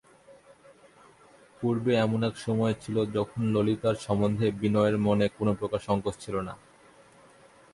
পূর্বে এমন এক সময় ছিল যখন ললিতার সম্বন্ধে বিনয়ের মনে কোনোপ্রকার সংকোচ ছিল না।